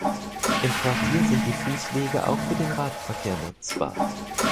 Im Quartier sind die Fußwege auch für den Radverkehr nutzbar.